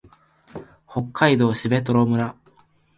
北海道蘂取村